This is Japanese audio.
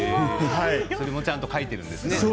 それもちゃんと書いてるんですね。